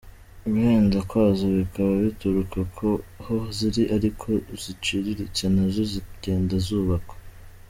Guhenda kwazo bikaba bituruka ku ho ziri ariko iziciriritse nazo zizagenda zubakwa.